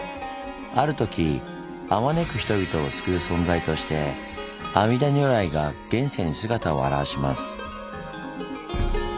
あるときあまねく人々を救う存在として阿弥陀如来が現世に姿を現します。